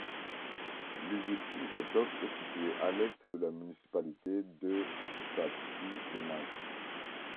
Lisičji potok est situé à l'est de la municipalité de Savski venac.